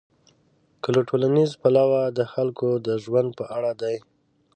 که له ټولنیز پلوه د خلکو د ژوند په اړه دي.